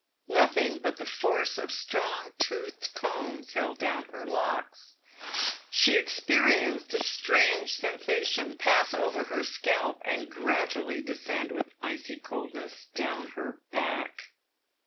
Nothing but the force of strong toothed combs held down her locks. She experienced a strange sensation pass over her scalp, and gradually descend with icy coldness down her back.